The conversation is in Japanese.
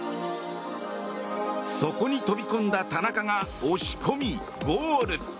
そこに飛び込んだ田中が押し込みゴール！